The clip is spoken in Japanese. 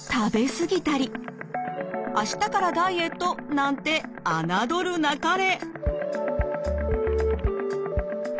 「明日からダイエット！」なんて侮るなかれ。